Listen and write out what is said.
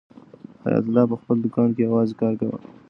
حیات الله په خپل دوکان کې یوازې کار کاوه.